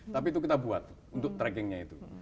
tapi itu kita buat untuk trackingnya itu